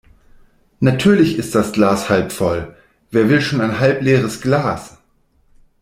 Natürlich ist das Glas halb voll. Wer will schon ein halb leeres Glas?